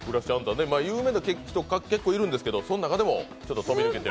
有名な人結構いるんですけど、結構飛び抜けてる？